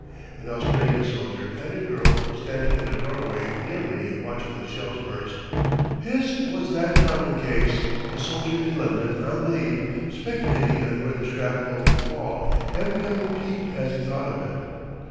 An Australian soldier and a girl were standing in a doorway near me watching the shells burst. His was that common case a soldier in London on leave, speculating on where the shrapnel would fall, and becoming peeved as he thought of it.